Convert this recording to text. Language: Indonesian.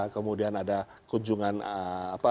kemudian ada kunjungan apa